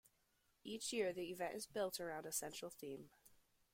Each year the event is built around a central theme.